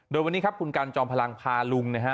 โดยวันนี้ครับคุณกันจอมพลังพาลุงนะฮะ